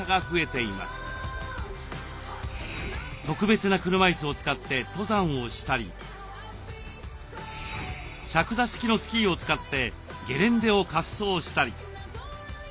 特別な車いすを使って登山をしたり着座式のスキーを使ってゲレンデを滑走したり。